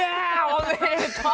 おめでとう！